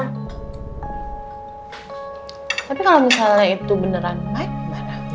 tapi kalau misalnya itu beneran mike gimana